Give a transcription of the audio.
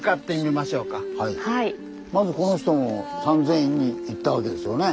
まずこの人も三千院に行ったわけですよね？